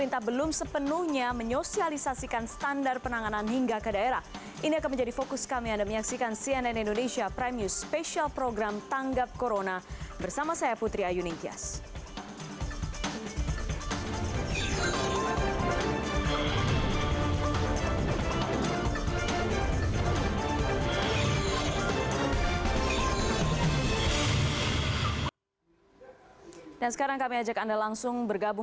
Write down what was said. lima puluh tahun juga sudah dinyatakan sembuh